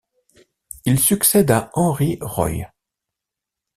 Il succède à Henry Roy.